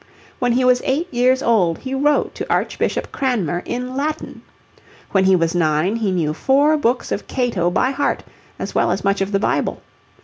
When he was eight years old he wrote to Archbishop Cranmer in Latin. When he was nine he knew four books of Cato by heart as well as much of the Bible.